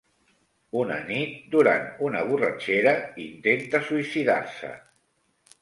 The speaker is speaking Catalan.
Una nit, durant una borratxera, intenta suïcidar-se.